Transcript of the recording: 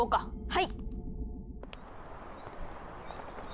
はい！